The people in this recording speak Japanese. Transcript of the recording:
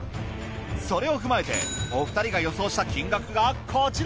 それをふまえてお二人が予想した金額がこちら。